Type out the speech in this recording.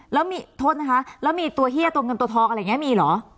แล้วมีตัวเฮียตัวเงินตัวทองอะไรอย่างนี้มีหรอ